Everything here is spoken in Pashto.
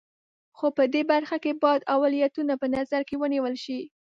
خو په دې برخه کې باید اولویتونه په نظر کې ونیول شي.